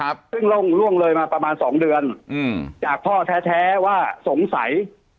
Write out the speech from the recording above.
ค้าขึ้นล่งร่วงเลยมาประมาณ๒เดือนจากพ่อท้าท้ว่าสงสัย